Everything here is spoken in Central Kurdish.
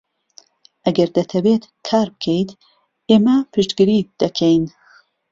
ئەگەر دەتەوێت کار بکەیت، ئێمە پشتگیریت دەکەین.